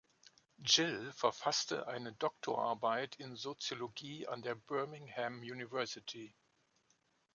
Gill verfasste eine Doktorarbeit in Soziologie an der Birmingham University.